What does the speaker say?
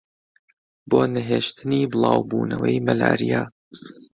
بۆ نەهێشتنی بڵاوبوونەوەی مەلاریا